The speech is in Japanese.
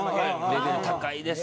レベル高いです。